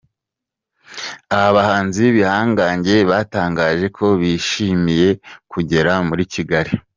Aba bahanzi b’ibihangange batangaje ko bishimiye kugera muri Kigali.